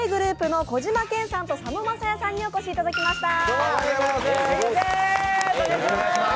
ｇｒｏｕｐの小島健さんと佐野晶哉さんにお越しいただきました。